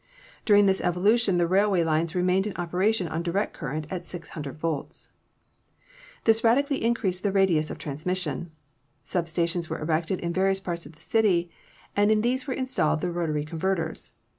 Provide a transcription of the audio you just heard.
During this evolution the railway lines remained in operation on direct current at 600 volts. This radically increased the radius of transmission. Sub stations were erected in various parts of the city, and in these were installed the rotary converters.